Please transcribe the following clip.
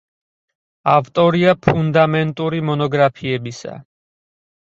ავტორია ფუნდამენტური მონოგრაფიებისა.